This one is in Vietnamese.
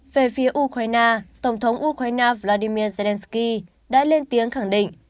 về phía ukraine tổng thống ukraine vladimir zelensky đã lên tiếng khẳng định